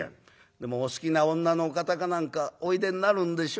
『でもお好きな女のお方か何かおいでになるんでしょ？』